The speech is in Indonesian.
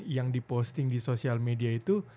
yang di posting di sosial media itu